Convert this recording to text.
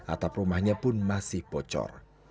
atap rumahnya pun masih bocor